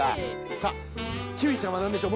さっキーウィちゃんはなんでしょう？